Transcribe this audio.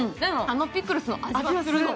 あのピクルスの味はするの。